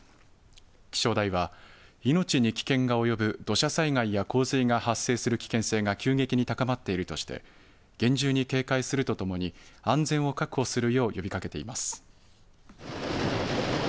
気象台は命に危険が及ぶ土砂災害や洪水が発生する危険性が急激に高まっているとして厳重に警戒するとともに安全を確保するよう呼びかけています。